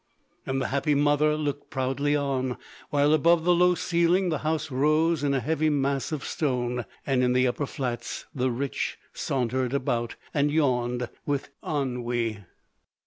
And the happy mother looked proudly on, while above the low ceiling the house rose in a heavy mass of stone, and in the upper flats the rich sauntered about, and yawned with ennui.